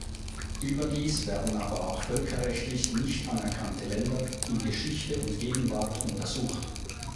Überdies werden aber auch völkerrechtlich nicht anerkannte Länder in Geschichte und Gegenwart untersucht.